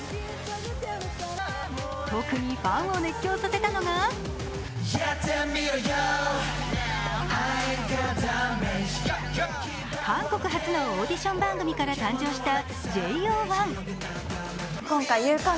特にファンを熱狂させたのが韓国発のオーディション番組から誕生したＪＯ１。